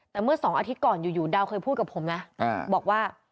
แต่เมื่อ๒อาทิตย์ก่อนอยู่ดาวเคยพูดกับผมนะบอกว่า